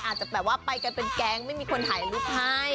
อาจจะแบบว่าไปกันเป็นแก๊งไม่มีคนถ่ายรูปให้